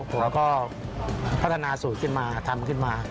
ผมก็พัฒนาสูตรขึ้นมาทำขึ้นมา